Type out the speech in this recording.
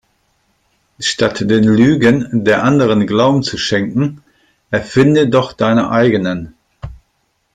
Statt den Lügen der Anderen Glauben zu schenken erfinde doch deine eigenen.